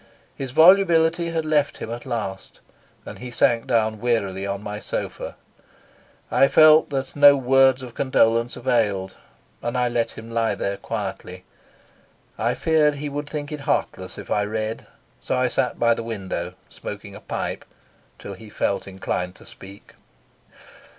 His volubility had left him at last, and he sank down wearily on my sofa. I felt that no words of condolence availed, and I let him lie there quietly. I feared he would think it heartless if I read, so I sat by the window, smoking a pipe, till he felt inclined to speak.